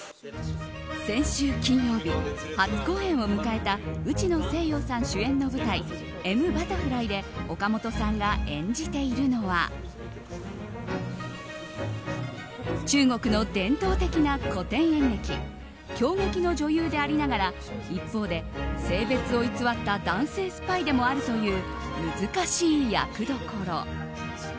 先週金曜日、初公演を迎えた内野聖陽さん主演の舞台「Ｍ．Ｂｕｔｔｅｒｆｌｙ」で岡本さんが演じているのは中国の伝統的な古典演劇京劇の女優でありながら一方で性別を偽った男性スパイでもあるという難しい役どころ。